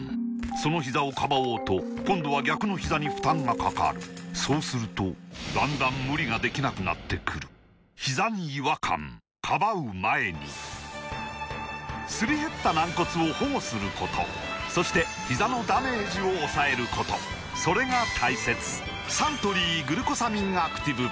そのひざをかばおうと今度は逆のひざに負担がかかるそうするとだんだん無理ができなくなってくるすり減った軟骨を保護することそしてひざのダメージを抑えることそれが大切サントリー「グルコサミンアクティブ」